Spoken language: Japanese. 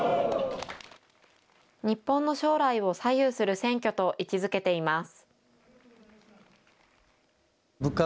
日本の将来を左右する選挙と位置づけています。